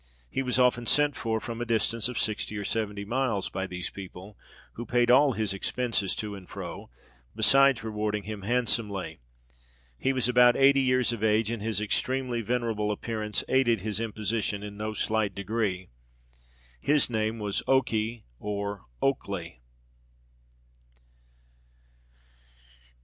He was often sent for from a distance of sixty or seventy miles by these people, who paid all his expenses to and fro, besides rewarding him handsomely. He was about eighty years of age, and his extremely venerable appearance aided his imposition in no slight degree. His name was Okey or Oakley.